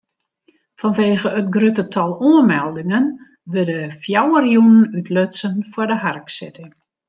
Fanwegen it grutte tal oanmeldingen wurde fjouwer jûnen útlutsen foar de harksitting.